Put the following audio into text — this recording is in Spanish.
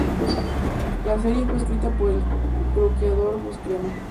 La serie fue escrita por el cocreador Buscema.